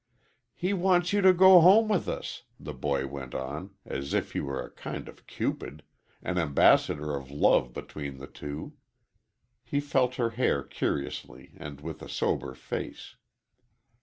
"He wants you to go home with us," the boy went on, as if he were a kind of Cupid an ambassador of love between the two. He felt her hair curiously and with a sober face.